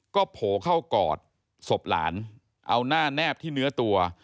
ก็โผล่เข้ากอดศพหลานเอาหน้าแนบที่เนื้อตัว